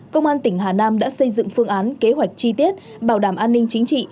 công an tỉnh hà nam đã xây dựng phương án kế hoạch chi tiết bảo đảm an ninh chính trị